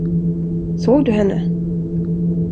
Såg du henne?